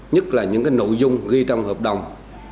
nhất là những nội dung ghi trong hợp đồng